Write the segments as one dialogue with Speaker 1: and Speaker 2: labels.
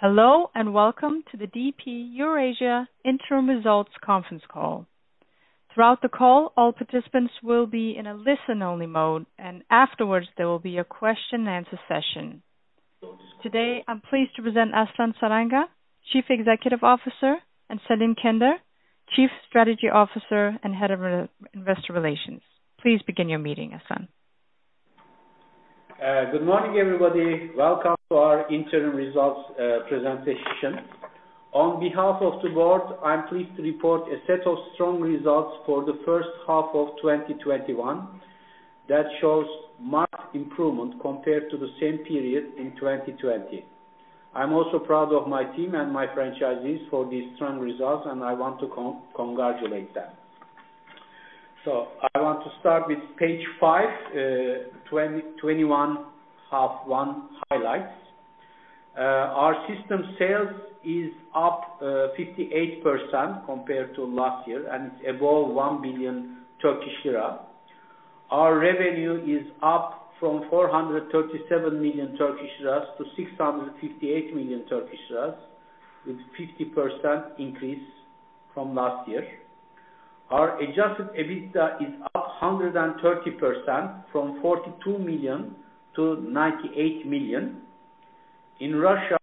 Speaker 1: Hello, and welcome to the DP Eurasia Interim results conference call. Throughout the call, all participants will be in a listen-only mode, and afterwards there will be a question-and-answer session. Today, I'm pleased to present Aslan Saranga, Chief Executive Officer, and Selim Kender, Chief Strategy Officer and Head of Investor Relations. Please begin your meeting, Aslan.
Speaker 2: Good morning, everybody. Welcome to our interim results presentation. On behalf of the board, I'm pleased to report a set of strong results for the first half of 2021 that shows much improvement compared to the same period in 2020. I'm also proud of my team and my franchisees for these strong results, and I want to congratulate them. I want to start with Page five, 2021 half one highlights. Our system sales is up 58% compared to last year, and it's above 1 billion Turkish lira. Our revenue is up from 437 million-658 million Turkish lira, with 50% increase from last year. Our adjusted EBITDA is up 130%, from 42 million-98 million. In Russia,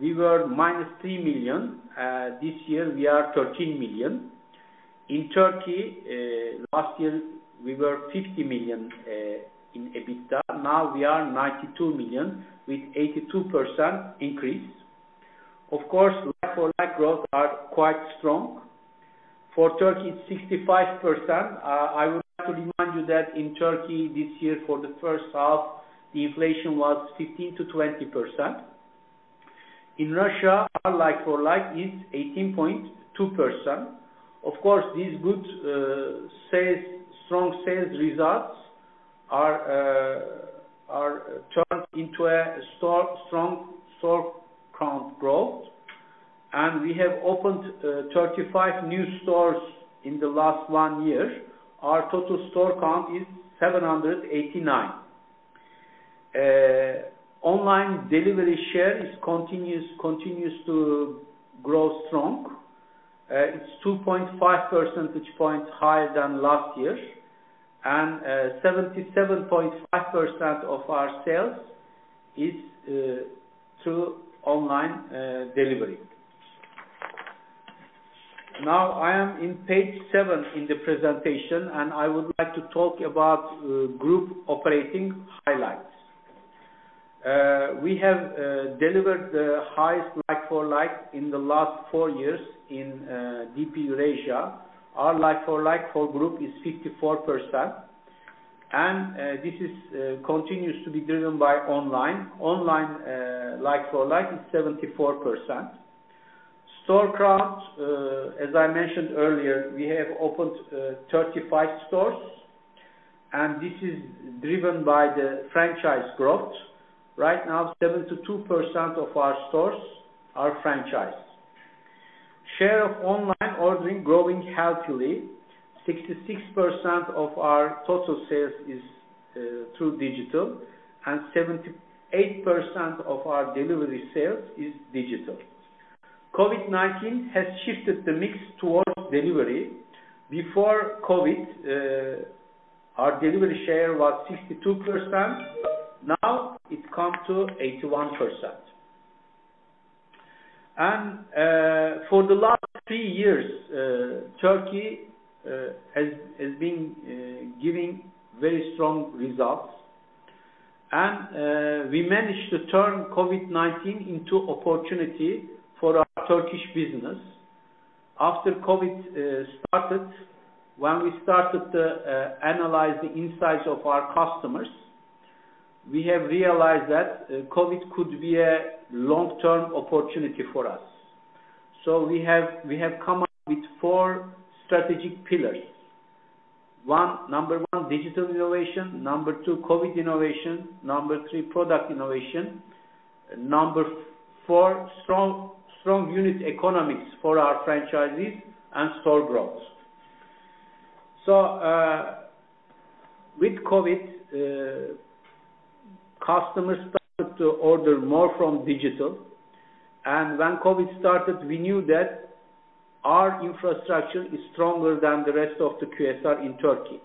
Speaker 2: we were -3 million. This year, we are 13 million. In Turkey, last year, we were 50 million in EBITDA. Now we are 92 million with 82% increase. Of course, like-for-like growth are quite strong. For Turkey, it's 65%. I would like to remind you that in Turkey this year for the first half, the inflation was 15%-20%. In Russia, our like-for-like is 18.2%. Of course, these good strong sales results are turned into a strong store count growth. We have opened 35 new stores in the last one year. Our total store count is 789. Online delivery share continues to grow strong. It's 2.5 percentage points higher than last year. 77.5% of our sales is through online delivery. Now, I am in Page seven in the presentation, and I would like to talk about group operating highlights. We have delivered the highest like-for-like in the last four years in DP Eurasia. Our like-for-like for group is 54%, and this continues to be driven by online. Online like-for-like is 74%. Store count, as I mentioned earlier, we have opened 35 stores, and this is driven by the franchise growth. Right now, 72% of our stores are franchise. Share of online ordering growing healthily. 66% of our total sales is through digital, and 78% of our delivery sales is digital. COVID-19 has shifted the mix towards delivery. Before COVID, our delivery share was 62%. Now it's come to 81%. For the last three years, Turkey has been giving very strong results. We managed to turn COVID-19 into opportunity for our Turkish business. After COVID started, when we started to analyze the insights of our customers, we have realized that COVID could be a long-term opportunity for us. We have come up with four strategic pillars. One, number one, digital innovation. Number two, COVID innovation. Number three, product innovation. Number four, strong unit economics for our franchisees and store growth. With COVID, customers started to order more from digital. When COVID started, we knew that our infrastructure is stronger than the rest of the QSR in Turkey.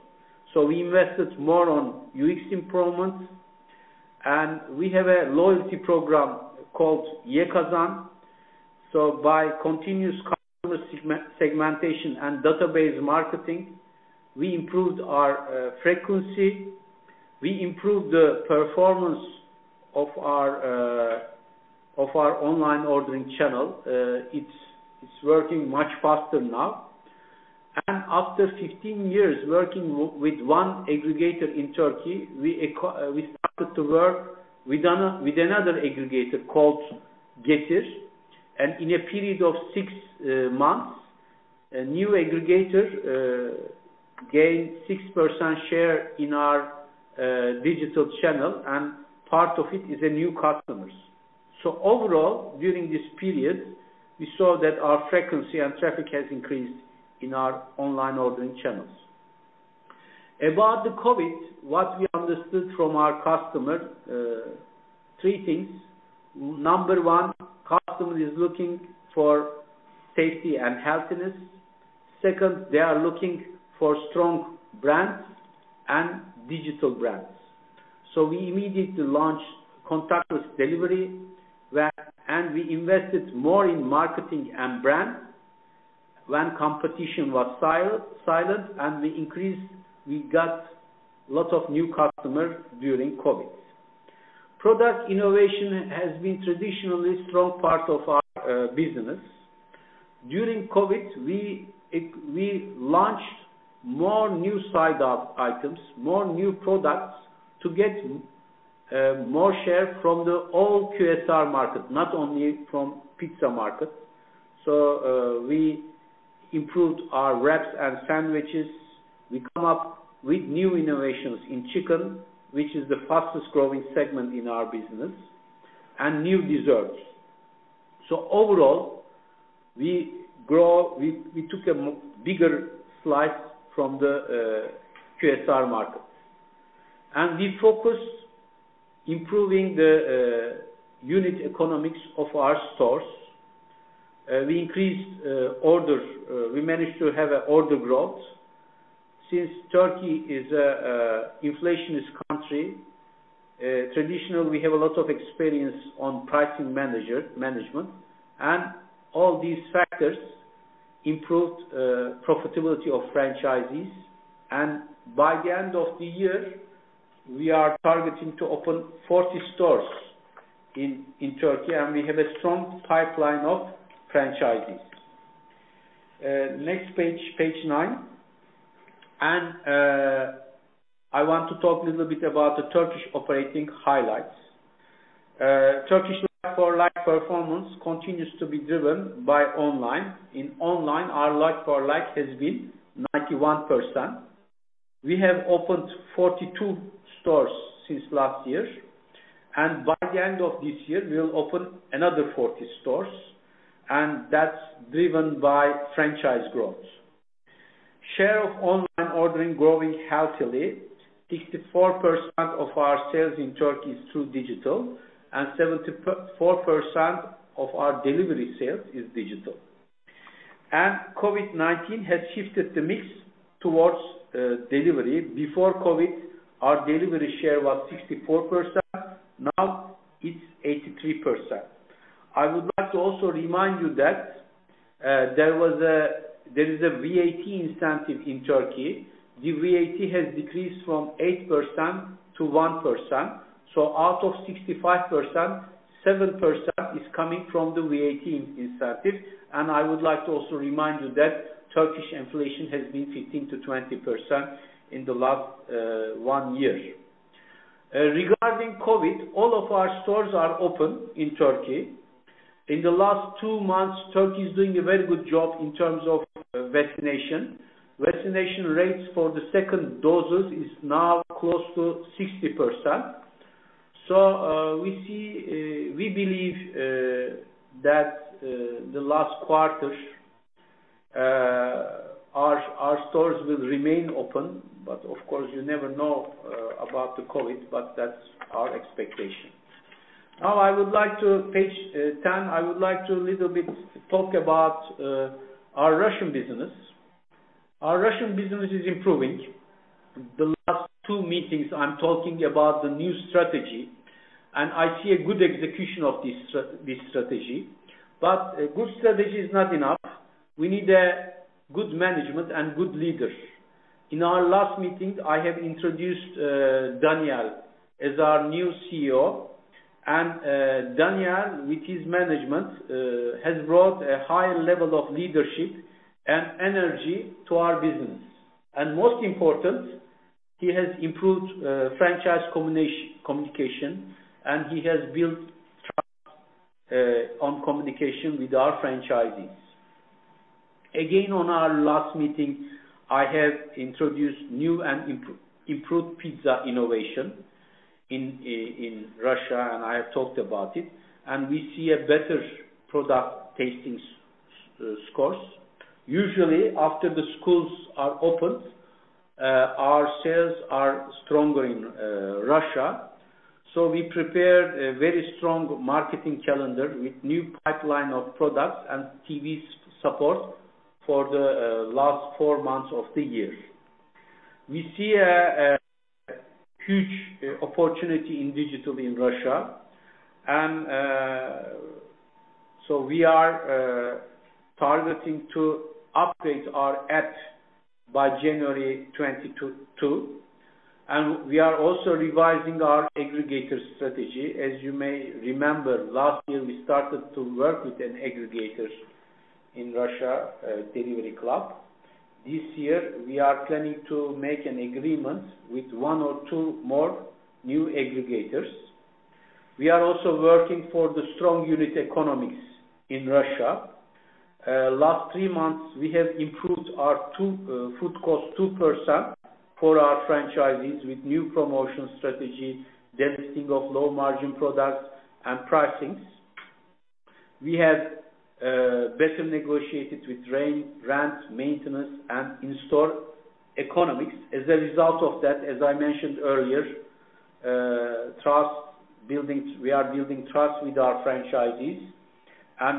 Speaker 2: We invested more on UX improvements, and we have a loyalty program called Ye Kazan. By continuous customer segmentation and database marketing, we improved our frequency. We improved the performance of our online ordering channel. It's working much faster now. After 15 years working with one aggregator in Turkey, we started to work with another aggregator called Getir. In a period of six months, a new aggregator gained 6% share in our digital channel, and part of it is new customers. Overall, during this period, we saw that our frequency and traffic has increased in our online ordering channels. About the COVID-19, what we understood from our customers, three things. Number one, customer is looking for safety and healthiness. Second, they are looking for strong brands and digital brands. We immediately launched contactless delivery, and we invested more in marketing and brand when competition was silent. We got a lot of new customers during COVID-19. Product innovation has been traditionally a strong part of our business. During COVID-19, we launched more new side up items, more new products to get more share from the old QSR market, not only from pizza market. We improved our wraps and sandwiches. We come up with new innovations in chicken, which is the fastest growing segment in our business, and new desserts. Overall, we took a bigger slice from the QSR market. We focused on improving the unit economics of our stores. We increased orders. We managed to have order growth. Since Turkey is an inflationist country, traditionally we have a lot of experience on pricing management. All these factors improved profitability of franchisees. By the end of the year, we are targeting to open 40 stores in Turkey, and we have a strong pipeline of franchisees. Next Page nine. I want to talk a little bit about the Turkish operating highlights. Turkish like-for-like performance continues to be driven by online. In online, our like-for-like has been 91%. We have opened 42 stores since last year, and by the end of this year, we will open another 40 stores, and that's driven by franchise growth. Share of online ordering growing healthily. 64% of our sales in Turkey is through digital, and 74% of our delivery sales is digital. COVID-19 has shifted the mix towards delivery. Before COVID, our delivery share was 64%. Now it's 83%. I would like to also remind you that there is a VAT incentive in Turkey. The VAT has decreased from 8% to 1%. Out of 65%, 7% is coming from the VAT incentive. I would like to also remind you that Turkish inflation has been 15%-20% in the last one year. Regarding COVID, all of our stores are open in Turkey. In the last two months, Turkey is doing a very good job in terms of vaccination. Vaccination rates for the second doses is now close to 60%. We believe that the last quarter, our stores will remain open. Of course, you never know about the COVID-19, that's our expectation. Page 10, I would like to a little bit talk about our Russian business. Our Russian business is improving. The last two meetings, I'm talking about the new strategy, and I see a good execution of this strategy. A good strategy is not enough. We need a good management and good leader. In our last meeting, I have introduced Daniel as our new CEO. Daniel, with his management, has brought a high level of leadership and energy to our business. Most important, he has improved franchise communication, and he has built trust on communication with our franchisees. On our last meeting, I have introduced new and improved pizza innovation in Russia, and I have talked about it, and we see a better product tasting scores. Usually, after the schools are opened, our sales are stronger in Russia. We prepared a very strong marketing calendar with new pipeline of products and TV support for the last four months of the year. We see a huge opportunity in digital in Russia. We are targeting to upgrade our APP by January 2022, and we are also revising our aggregator strategy. As you may remember, last year we started to work with an aggregator in Russia, Delivery Club. This year, we are planning to make an agreement with one or two more new aggregators. We are also working for the strong unit economics in Russia. Last three months, we have improved our food cost 2% for our franchisees with new promotion strategy, delisting of low margin products, and pricings. We had, better negotiated with rent, maintenance, and in-store economies. As a result of that, as I mentioned earlier, we are building trust with our franchisees.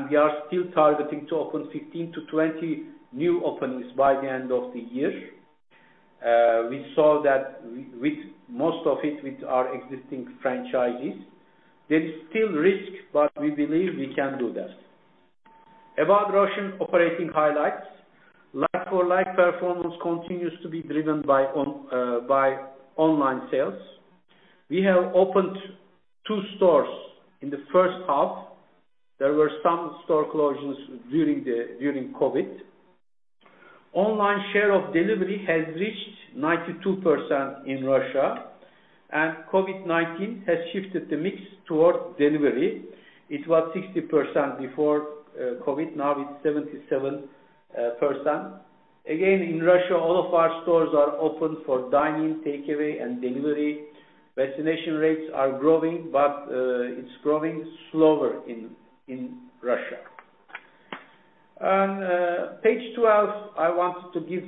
Speaker 2: We are still targeting to open 15-20 new openings by the end of the year. We saw that with most of it with our existing franchisees. There is still risk. We believe we can do that. About Russian operating highlights. Like-for-like performance continues to be driven by online sales. We have opened two stores in the first half. There were some store closures during COVID-19. Online share of delivery has reached 92% in Russia. COVID-19 has shifted the mix towards delivery. It was 60% before COVID-19, now it's 77%. Again, in Russia, all of our stores are open for dine-in, takeaway, and delivery. Vaccination rates are growing. It's growing slower in Russia. On Page 12, I want to give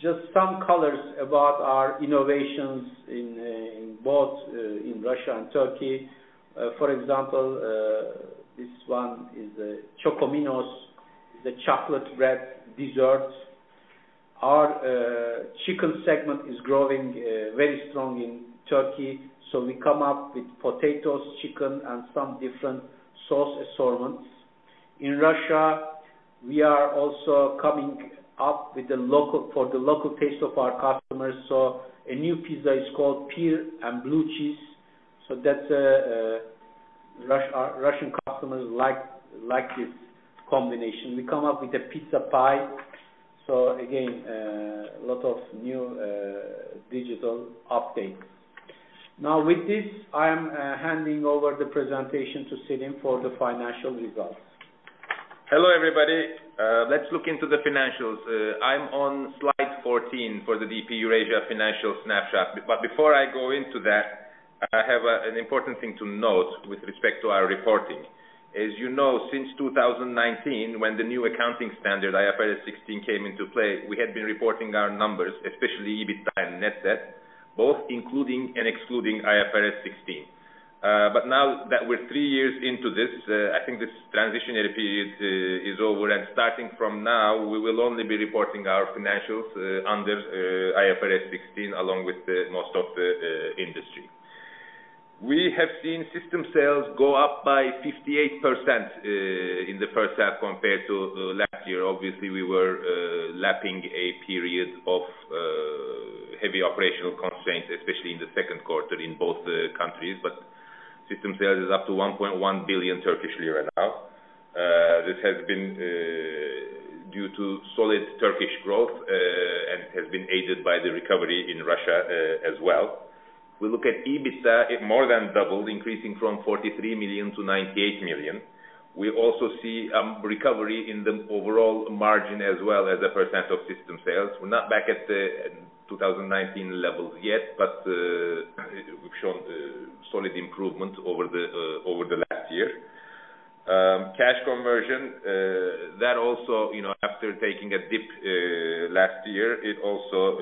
Speaker 2: just some colors about our innovations in both Russia and Turkey. For example, this one is the Chocominos, the chocolate bread dessert. Our chicken segment is growing very strong in Turkey, we come up with potatoes, chicken, and some different sauce assortments. In Russia, we are also coming up for the local taste of our customers. A new pizza is called pear and blue cheese. Russian customers like this combination. We come up with a pizza pie. Again, a lot of new digital updates. Now, with this, I am handing over the presentation to Selim for the financial results.
Speaker 3: Hello, everybody. Let's look into the financials. I'm on Slide 14 for the DP Eurasia financial snapshot. Before I go into that, I have an important thing to note with respect to our reporting. As you know, since 2019, when the new accounting standard, IFRS 16, came into play, we had been reporting our numbers, especially EBITDA and net debt, both including and excluding IFRS 16. Now that we're three years into this, I think this transitionary period is over. Starting from now, we will only be reporting our financials under IFRS 16, along with most of the industry. We have seen system sales go up by 58%, in the first half compared to last year. Obviously, we were lapping a period of heavy operational constraints, especially in the second quarter in both countries. System sales is up to 1.1 billion Turkish lira now. This has been due to solid Turkish growth, and has been aided by the recovery in Russia as well. We look at EBITDA, it more than doubled, increasing from 43 million-98 million. We also see recovery in the overall margin as well as a percent of system sales. We're not back at the 2019 levels yet, but we've shown solid improvement over the last year. Cash conversion, that also, after taking a dip last year, it also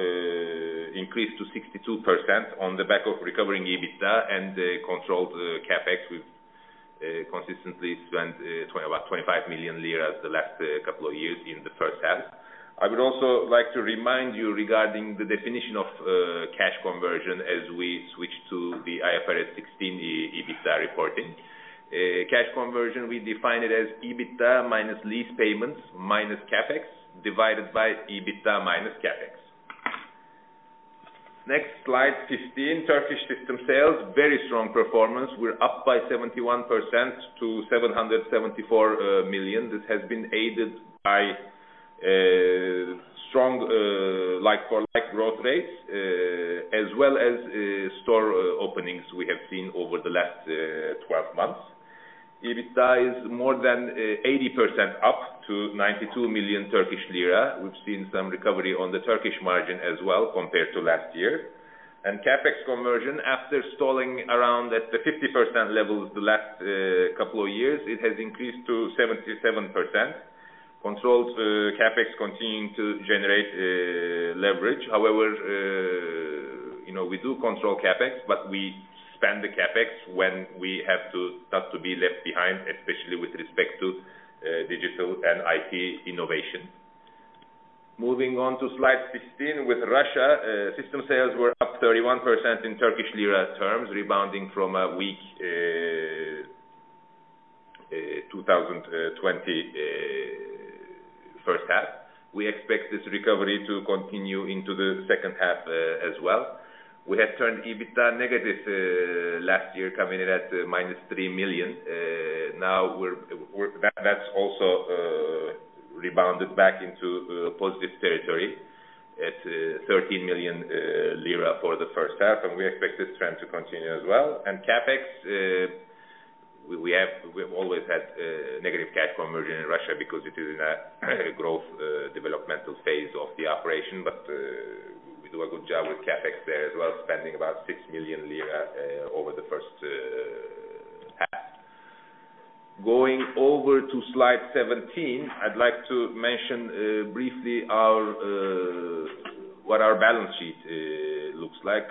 Speaker 3: increased to 62% on the back of recovering EBITDA and controlled CapEx. We've consistently spent about 25 million lira the last couple of years in the first half. I would also like to remind you regarding the definition of cash conversion as we switch to the IFRS 16 EBITDA reporting. Cash conversion, we define it as EBITDA minus lease payments, minus CapEx, divided by EBITDA minus CapEx. Next, Slide 15. Turkish system sales, very strong performance. We're up by 71% to 774 million. This has been aided by strong like-for-like growth rates, as well as store openings we have seen over the last 12 months. EBITDA is more than 80% up to 92 million Turkish lira. We've seen some recovery on the Turkish margin as well compared to last year. CapEx conversion, after stalling around at the 50% level the last couple of years, it has increased to 77%. Controlled CapEx continuing to generate leverage. We do control CapEx, but we spend the CapEx when we have to not to be left behind, especially with respect to digital and IT innovation. Moving on to Slide 16. Russia, system sales were up 31% in Turkish lira terms, rebounding from a weak 2020 first half. We expect this recovery to continue into the second half as well. We had turned EBITDA negative last year, coming in at -3 million. Now that's also rebounded back into positive territory at 13 million lira for the first half. We expect this trend to continue as well. CapEx, we've always had negative cash conversion in Russia because it is in a growth developmental phase of the operation. We do a good job with CapEx there as well, spending about 6 million lira over the first half. Going over to Slide 17, I'd like to mention briefly what our balance sheet looks like.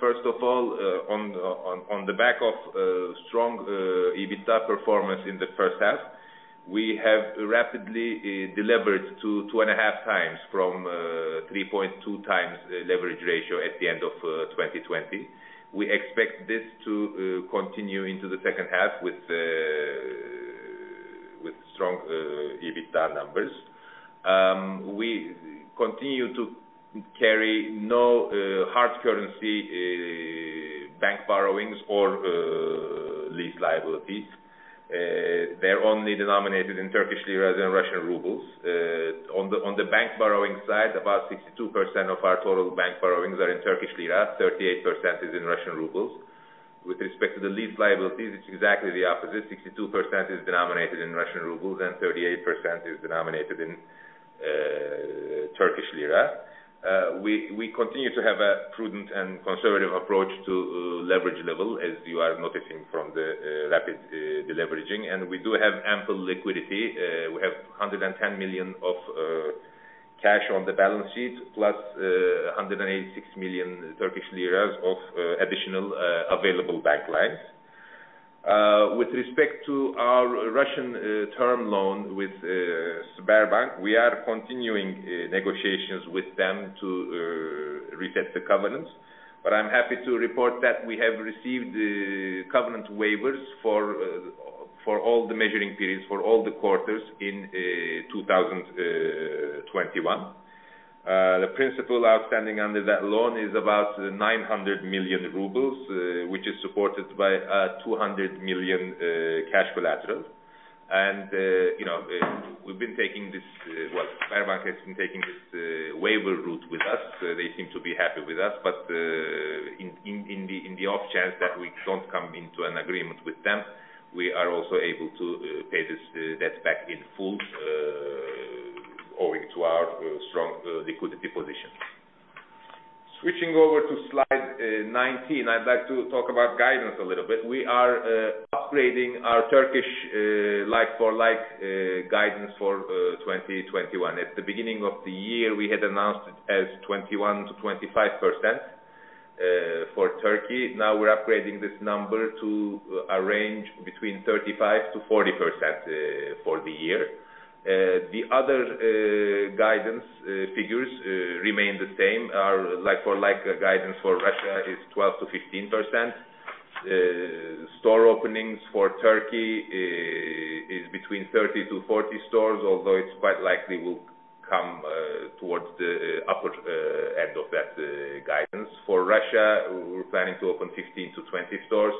Speaker 3: First of all, on the back of strong EBITDA performance in the first half, we have rapidly delevered to 2.5x from 3.2x leverage ratio at the end of 2020. We expect this to continue into the second half with strong EBITDA numbers. We continue to carry no hard currency bank borrowings or lease liabilities. They're only denominated in Turkish liras and Russian rubles. On the bank borrowing side, about 62% of our total bank borrowings are in TRY, 38% is in RUB. With respect to the lease liabilities, it's exactly the opposite. 62% is denominated in RUB and 38% is denominated in TRY. We continue to have a prudent and conservative approach to leverage level, as you are noticing from the rapid deleveraging. We do have ample liquidity. We have 110 million of cash on the balance sheet, +186 million Turkish lira of additional available bank lines. With respect to our Russian term loan with Sberbank, we are continuing negotiations with them to reset the covenants. I'm happy to report that we have received the covenant waivers for all the measuring periods for all the quarters in 2021. The principal outstanding under that loan is about 900 million rubles, which is supported by a 200 million cash collateral. We've been taking this, well, Sberbank has been taking this waiver route with us. They seem to be happy with us. In the off chance that we don't come into an agreement with them, we are also able to pay this debt back in full owing to our strong liquidity position. Switching over to Slide 19, I'd like to talk about guidance a little bit. We are upgrading our Turkish like-for-like guidance for 2021. At the beginning of the year, we had announced it as 21%-25% for Turkey. Now we're upgrading this number to a range between 35%-40% for the year. The other guidance figures remain the same. Our like-for-like guidance for Russia is 12%-15%. Store openings for Turkey is between 30 stores-40 stores, although it's quite likely will come towards the upper end of that guidance. For Russia, we're planning to open 15 stores-20 stores.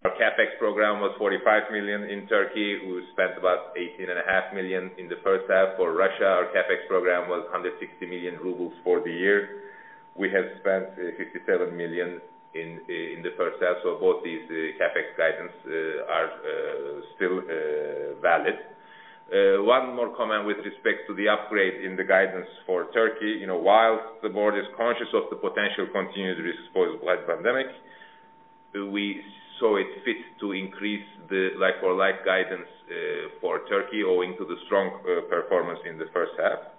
Speaker 3: Our CapEx program was 45 million in Turkey, we spent about 18.5 million in the first half. For Russia, our CapEx program was 160 million rubles for the year. We have spent 57 million in the first half. Both these CapEx guidance are still valid. One more comment with respect to the upgrade in the guidance for Turkey. While the board is conscious of the potential continued risks posed by the pandemic, we saw it fit to increase the like-for-like guidance for Turkey owing to the strong performance in the first half.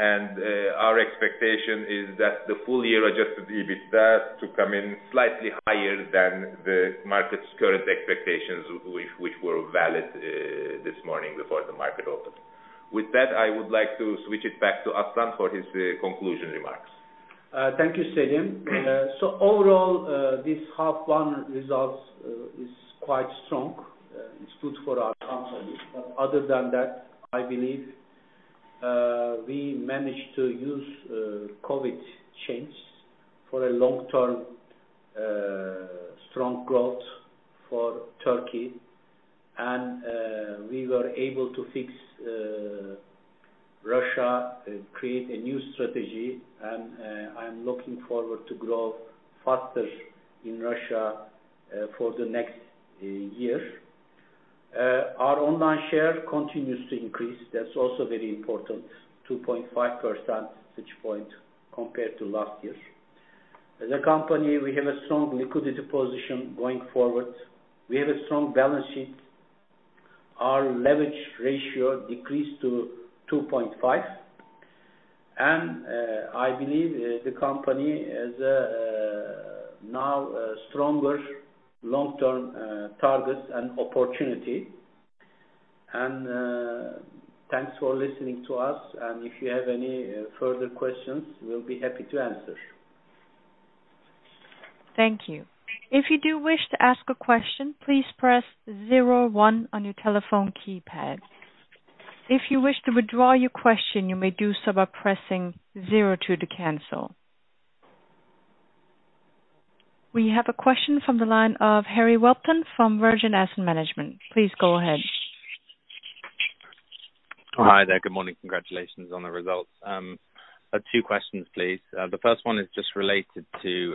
Speaker 3: Our expectation is that the full year adjusted EBITDA to come in slightly higher than the market's current expectations, which were valid this morning before the market opened. With that, I would like to switch it back to Aslan for his conclusion remarks.
Speaker 2: Thank you, Selim. Overall, this half 1 result is quite strong. It's good for our company. Other than that, I believe we managed to use COVID change for a long-term strong growth for Turkey. We were able to fix Russia, create a new strategy, and I'm looking forward to grow faster in Russia for the next year. Our online share continues to increase. That's also very important, 2.5% such point compared to last year. As a company, we have a strong liquidity position going forward. We have a strong balance sheet. Our leverage ratio decreased to 2.5. I believe the company has now a stronger long-term targets and opportunity. Thanks for listening to us. If you have any further questions, we'll be happy to answer.
Speaker 1: Thank you. If you do wish to ask a question, please press zero one on your telephone keypad. If you wish to withdraw your question, you may do so by pressing zero two to cancel. We have a question from the line of Harry Welton from Vergent Asset Management. Please go ahead.
Speaker 4: Hi there. Good morning. Congratulations on the results. I've two questions, please. The first one is just related to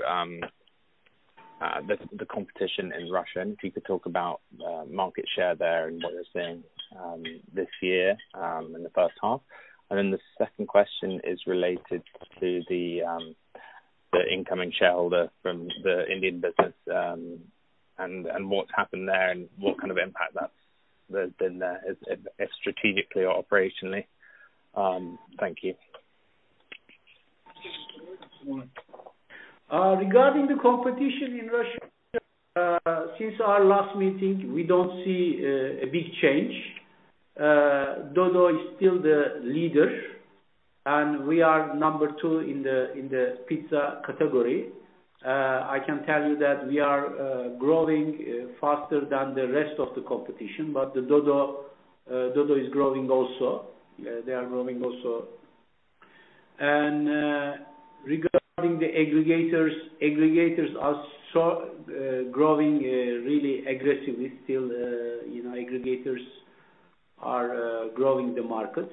Speaker 4: the competition in Russia, if you could talk about market share there and what you're seeing this year in the first half. The second question is related to the incoming shareholder from the Indian business, and what's happened there and what kind of impact that's been there strategically or operationally. Thank you.
Speaker 2: Regarding the competition in Russia, since our last meeting, we don't see a big change. Dodo is still the leader, and we are number two in the pizza category. I can tell you that we are growing faster than the rest of the competition. Dodo is growing also. They are growing also. Regarding the aggregators are growing really aggressively still. Aggregators are growing the market.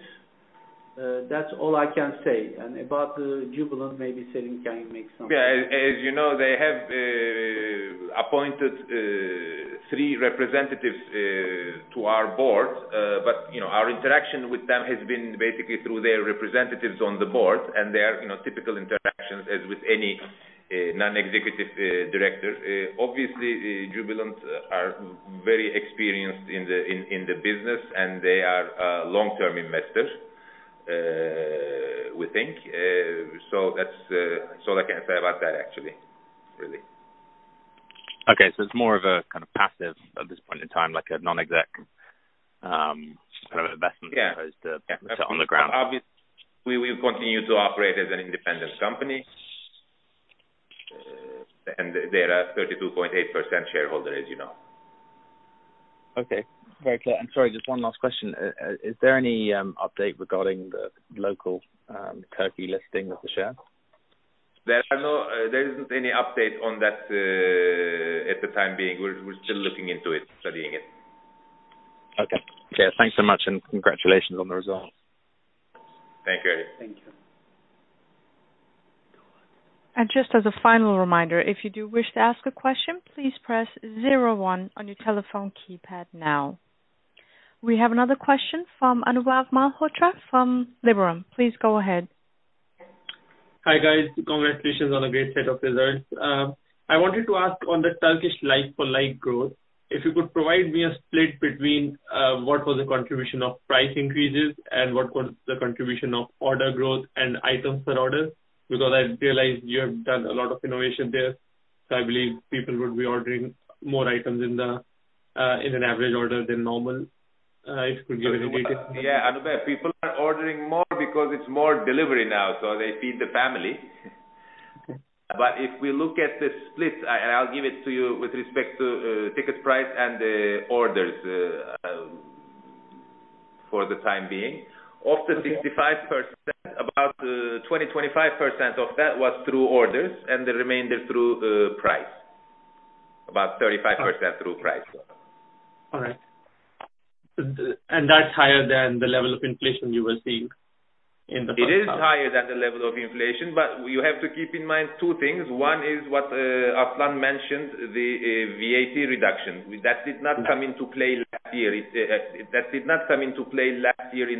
Speaker 2: That's all I can say. About Jubilant, maybe Selim can make.
Speaker 3: Yeah. As you know, they have appointed three representatives to our board. Our interaction with them has been basically through their representatives on the board, and their typical interactions as with any non-executive director. Obviously, Jubilant are very experienced in the business and they are a long-term investor, we think. That's all I can say about that actually, really.
Speaker 4: Okay, it's more of a kind of passive at this point in time, like a non-exec kind of investment.
Speaker 3: Yeah
Speaker 4: As opposed to on the ground.
Speaker 3: Obviously, we will continue to operate as an independent company. They're at 32.8% shareholder, as you know.
Speaker 4: Okay. Very clear. Sorry, just one last question. Is there any update regarding the local Turkey listing of the share?
Speaker 3: There isn't any update on that at the time being. We're still looking into it, studying it.
Speaker 4: Okay. Yeah, thanks so much, and congratulations on the results.
Speaker 3: Thank you.
Speaker 2: Thank you.
Speaker 1: Just as a final reminder, if you do wish to ask a question, please press zero one on your telephone keypad now. We have another question from Anubhav Malhotra from Liberum. Please go ahead.
Speaker 5: Hi, guys. Congratulations on a great set of results. I wanted to ask on the Turkish like-for-like growth, if you could provide me a split between what was the contribution of price increases and what was the contribution of order growth and items per order, because I realized you have done a lot of innovation there, so I believe people would be ordering more items in an average order than normal. If you could give any details.
Speaker 3: Anubhav, people are ordering more because it's more delivery now, so they feed the family.
Speaker 5: Okay.
Speaker 3: If we look at the split, and I'll give it to you with respect to ticket price and the orders for the time being. Of the 65%, about 20%, 25% of that was through orders and the remainder through price. About 35% through price.
Speaker 5: All right. That's higher than the level of inflation you were seeing in the first half?
Speaker 3: It is higher than the level of inflation, but you have to keep in mind two things. One is what Aslan mentioned, the VAT reduction. That did not come into play last year in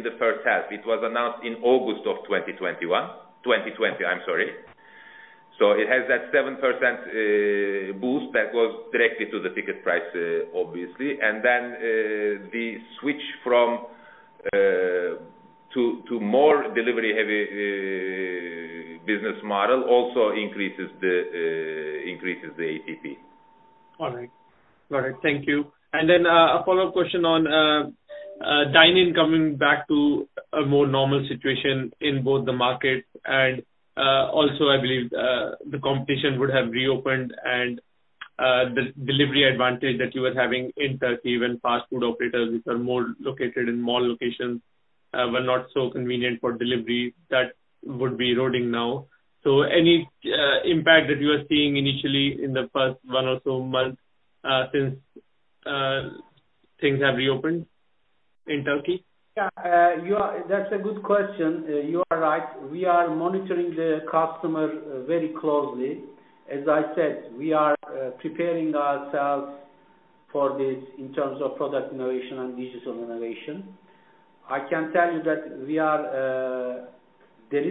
Speaker 3: the first half. It was announced in August of 2021, 2020, I'm sorry. It has that 7% boost that goes directly to the ticket price, obviously, and then the switch to more delivery-heavy business model also increases the APP.
Speaker 5: All right. Got it. Thank you. Then a follow-up question on dine-in coming back to a more normal situation in both the markets and also, I believe the competition would have reopened and the delivery advantage that you were having in Turkey when fast food operators which are more located in mall locations were not so convenient for delivery, that would be eroding now. Any impact that you are seeing initially in the first one or so months since things have reopened in Turkey?
Speaker 2: Yeah. That's a good question. You are right. We are monitoring the customer very closely. As I said, we are preparing ourselves for this in terms of product innovation and digital innovation. I can tell you that there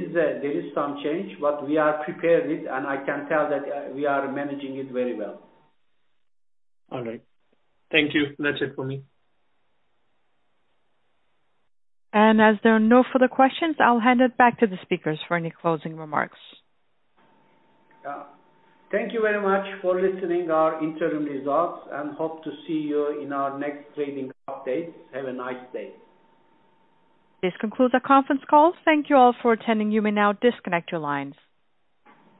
Speaker 2: is some change, but we are prepared with, and I can tell that we are managing it very well.
Speaker 5: All right. Thank you. That's it for me.
Speaker 1: As there are no further questions, I'll hand it back to the speakers for any closing remarks.
Speaker 2: Yeah. Thank you very much for listening our interim results, and hope to see you in our next trading update. Have a nice day.
Speaker 1: This concludes our conference call. Thank Thank you all for attending. You may now disconnect your lines.